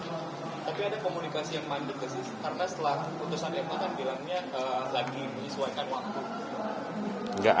tapi ada komunikasi yang mandat ke sisi karena setelah putusan yang akan dilakukannya lagi disuaikan waktu